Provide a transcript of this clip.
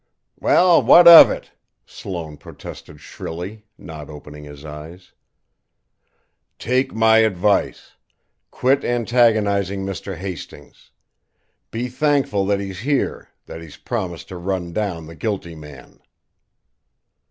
"Well, what of it?" Sloane protested shrilly, not opening his eyes. "Take my advice. Quit antagonizing Mr. Hastings. Be thankful that he's here, that he's promised to run down the guilty man."